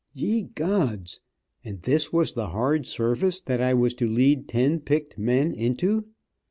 Ye gods! And this was the hard service that I was to lead ten picked men into.